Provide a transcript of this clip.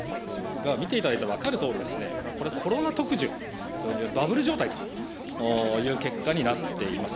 見ていただいたら分かるとおり、これ、コロナ特需、バブル状態という結果になっています。